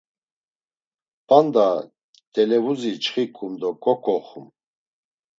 p̌anda televuzi nçxiǩum do ǩoǩoxum.